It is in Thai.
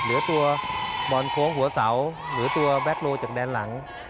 เหลือตัวบอลโค้งหัวเสาหรือตัวแบ็คโลจากแดนหลัง